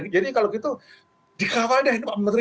jadi kalau gitu dikawalnya pak menteri